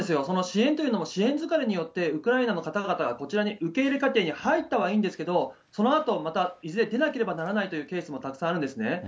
その支援というのも、支援疲れによって、ウクライナの方々がこちらに、受け入れ家庭に入ったはいいんですけれども、そのあと、またいずれ出なければならないというケースもたくさんあるんですね。